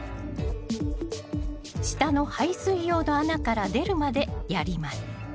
下の排水用の穴から出るまでやります